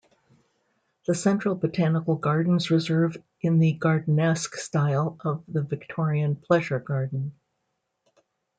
The central Botanical Gardens reserve in the 'gardenesque' style of the Victorian pleasure garden.